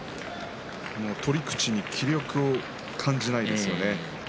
取り口に気力を感じないですね。